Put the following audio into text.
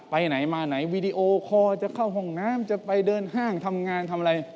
ไปไหนมาไหนวีดีโอคอร์จะเข้าห้องน้ำจะไปเดินห้างทำงานทำอะไร